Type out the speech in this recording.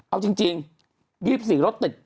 เอาจริงรีบสี่รถติด